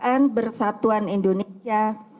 dan bersatuan indonesia